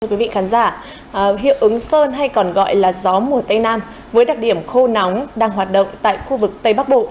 quý vị khán giả hiệu ứng phơn hay còn gọi là gió mùa tây nam với đặc điểm khô nóng đang hoạt động tại khu vực tây bắc bộ